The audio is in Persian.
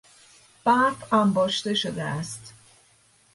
برف انباشته شده است.